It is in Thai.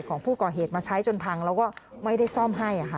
ของผู้ก่อเหตุมาใช้จนพังแล้วก็ไม่ได้ซ่อมให้